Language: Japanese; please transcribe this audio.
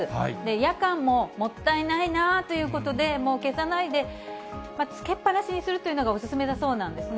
夜間ももったいないなということで、もう消さないで、つけっぱなしにするというのがお勧めだそうなんですね。